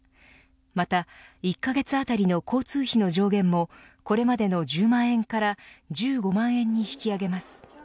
また、１カ月当たりの交通費の上限もこれまでの１０万円から１５万円に引き上げます。